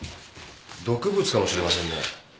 毒物かもしれませんね。